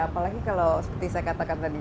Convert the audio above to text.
apalagi kalau seperti saya katakan tadi